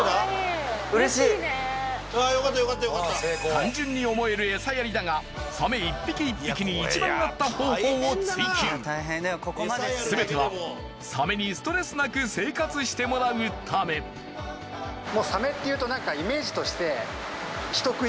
単純に思える餌やりだがサメ一匹一匹に一番合った方法を追求全てはサメにストレスなく生活してもらうためイメージとして。